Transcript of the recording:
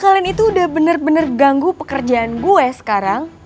kalian itu udah bener bener ganggu pekerjaan gue sekarang